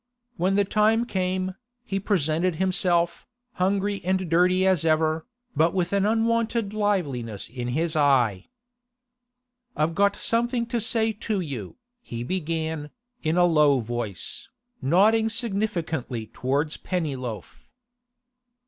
When the time came, he presented himself, hungry and dirty as ever, but with an unwonted liveliness in his eye. 'I've got something to say to you,' he began, in a low voice, nodding significantly towards Pennyloaf.